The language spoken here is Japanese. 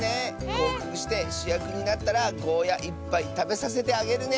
ごうかくしてしゅやくになったらゴーヤいっぱいたべさせてあげるね！